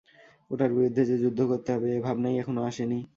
ওটার বিরুদ্ধে যে যুদ্ধ করতে হবে, এ ভাবনাই এখনও আসেনি।